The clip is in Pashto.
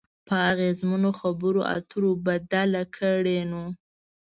په اغیزمنو خبرو اترو بدله کړئ نو